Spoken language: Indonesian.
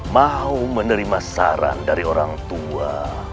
mau menerima saran dari orang tua